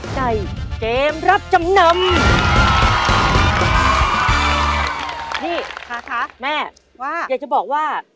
ใจเจมส์รับจำนำ